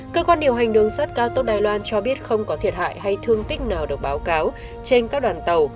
cơ quan điều hành đường sắt cao tốc đài loan cho biết không có thiệt hại hay thương tích nào được báo cáo trên các đoàn tàu